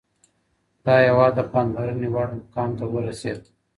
دا هېواد د پاملرنې وړ مقام ته ورسېد.